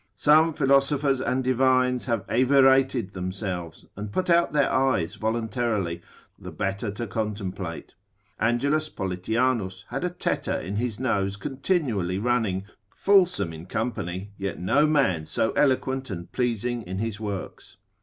Some philosophers and divines have evirated themselves, and put out their eyes voluntarily, the better to contemplate. Angelus Politianus had a tetter in his nose continually running, fulsome in company, yet no man so eloquent and pleasing in his works.